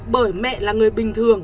bởi mẹ là người bình thường